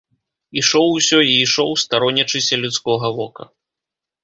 Ішоў усё і ішоў, старонячыся людскога вока.